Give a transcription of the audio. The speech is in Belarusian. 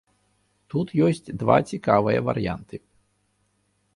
Тут ёсць два цікавыя варыянты.